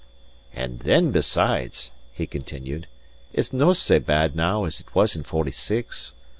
"And then, besides," he continued, "it's no sae bad now as it was in forty six.